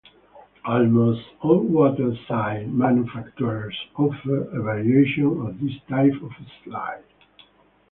Almost all water slide manufacturers offer a variation of this type of slide.